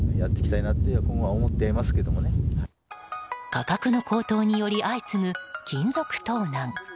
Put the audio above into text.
価格の高騰により相次ぐ金属盗難。